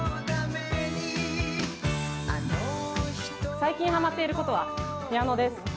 最近ハマってることはピアノです。